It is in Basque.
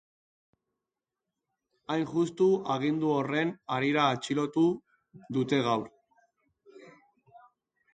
Hain justu, agindu horren harira atxilotu dute gaur.